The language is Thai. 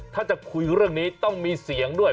ถ้าจะคุยเรื่องนี้ต้องมีเสียงด้วย